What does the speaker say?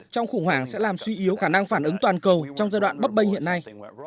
trong khủng hoảng sẽ làm suy yếu khả năng phản ứng toàn cầu trong giai đoạn bấp bênh hiện nay